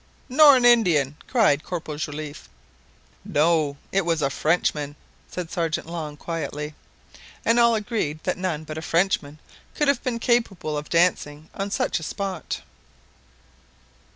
"Nor an Indian," cried Corporal Joliffe. "No, it was a Frenchman," said Sergeant Long quietly. And all agreed that none but a Frenchman could have been capable of dancing on such a spot.